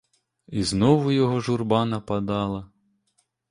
І знову його журба нападала.